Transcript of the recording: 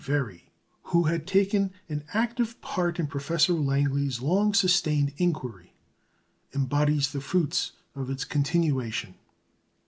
Very, who had taken an active part in Professor Langley's long sustained inquiry, embodies the fruits of its continuation.